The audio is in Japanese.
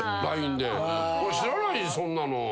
知らないそんなの。